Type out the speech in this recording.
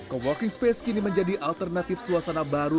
coworking space kini menjadi alternatif suasana baru